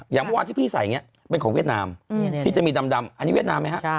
อย่างเมื่อวานที่พี่ใส่อย่างนี้เป็นของเวียดนามที่จะมีดำอันนี้เวียดนามไหมครับ